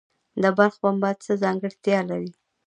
د بلخ پنبه څه ځانګړتیا لري؟